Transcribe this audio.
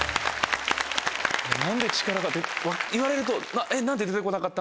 何で「力」が出て言われると。